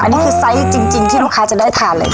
อันนี้คือไซส์จริงที่ลูกค้าจะได้ทานเลยค่ะ